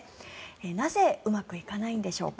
なぜうまくいかないんでしょうか。